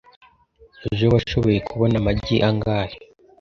Ejo washoboye kubona amagi angahe?